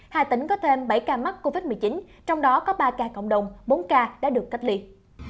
hà tĩnh có thêm bảy ca mắc covid một mươi chín trong đó có ba ca cộng đồng bốn ca đã được cách ly